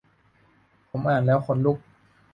ผมอ่านแล้วขนลุก